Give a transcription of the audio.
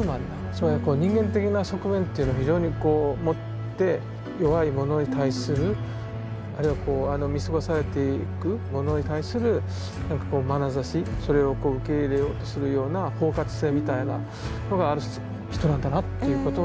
つまり人間的な側面というのを非常にこう持って弱いものに対するあるいはこう見過ごされていくものに対するなんかこうまなざしそれをこう受け入れようとするような包括性みたいなのがある人なんだなっていうことが僕にとって大きな発見でした。